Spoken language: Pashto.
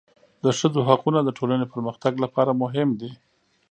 د ښځو حقونه د ټولنې پرمختګ لپاره مهم دي.